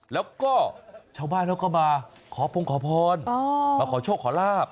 แล้วก็ชาวบ้านเขาก็มาขอพงขอพรมาขอโชคขอลาบ